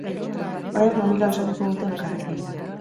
Orain, familia osatuko dute elkarrekin.